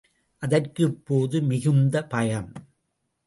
அதற்கு இப்போது மிகுந்த பயம்.